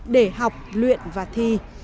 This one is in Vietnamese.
để học luyện và thi